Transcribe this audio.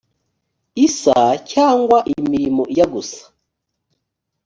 isa cyangwa imirimo ijya gusa